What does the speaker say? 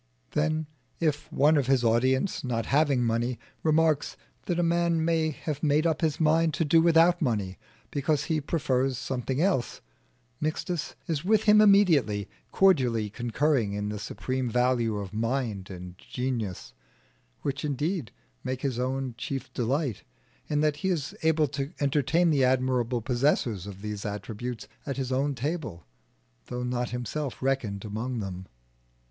Then if one of his audience, not having money, remarks that a man may have made up his mind to do without money because he prefers something else, Mixtus is with him immediately, cordially concurring in the supreme value of mind and genius, which indeed make his own chief delight, in that he is able to entertain the admirable possessors of these attributes at his own table, though not himself reckoned among them.